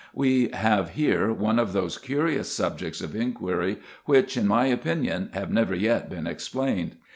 We have here one of those curious subjects of inquiry, which, in my opinion, have never yet been explained.